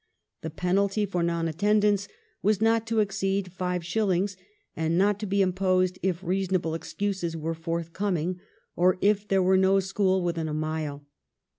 The penalty for non attendance was not to exceed 5s. and not to be imposed if reasonable excuses were forthcoming, or if there were no school within a mile.